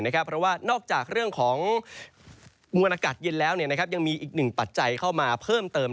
เพราะว่านอกจากเรื่องของมวลอากาศเย็นแล้วยังมีอีกหนึ่งปัจจัยเข้ามาเพิ่มเติม